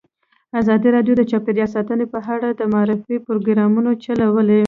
ازادي راډیو د چاپیریال ساتنه په اړه د معارفې پروګرامونه چلولي.